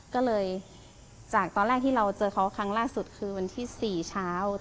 ก็เลยจากตอนแรกที่เราเจอเขาครั้งล่าสุดคือวันที่๔เช้า